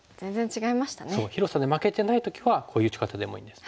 そう広さで負けてない時はこういう打ち方でもいいんです。